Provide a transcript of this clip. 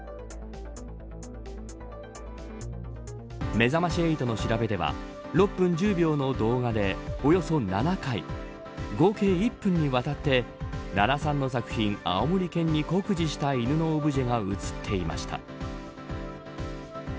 めざまし８の調べでは６分１０秒の動画で、およそ７回合計１分にわたって奈良さんの作品あおもり犬に酷似した犬のオブジェが映っていました。